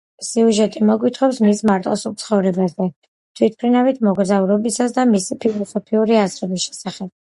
სიუჟეტი მოგვითხრობს მის მარტოსულ ცხოვრებაზე თვითმფრინავით მოგზაურობისას და მისი ფილოსოფიური აზრების შესახებ.